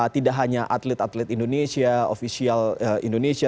tidak hanya atlet atlet indonesia ofisial indonesia